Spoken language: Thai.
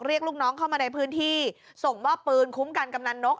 ลูกน้องเข้ามาในพื้นที่ส่งมอบปืนคุ้มกันกำนันนก